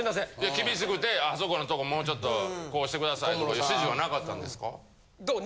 厳しくてあそこのとこもうちょっとこうしてくださいとかいう指示はなかったんですか？